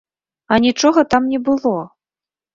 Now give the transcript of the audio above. А нічога там не было!